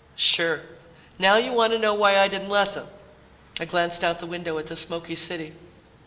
"Sure. Now you want to know why I didn't let them." I glanced out the window at the smoky city.